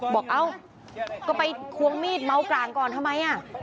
บอกเอ้าก็ไปคว้องมีดเมาส์กลางก่อนทำไมอ่ะ